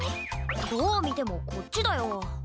どうみてもこっちだよ。